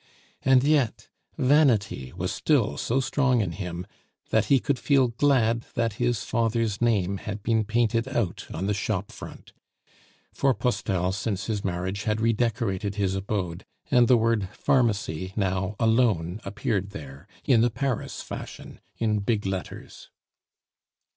And yet, vanity was still so strong in him, that he could feel glad that his father's name had been painted out on the shop front; for Postel, since his marriage, had redecorated his abode, and the word "Pharmacy" now alone appeared there, in the Paris fashion, in big letters.